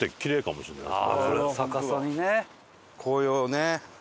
紅葉ね。